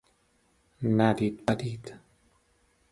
ندید بدید